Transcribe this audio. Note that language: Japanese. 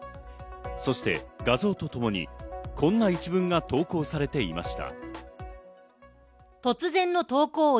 そして画像とともにこんな一文が投稿されていました。